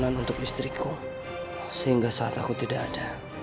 membutuhkan manjayeah jeng appreciate kuraft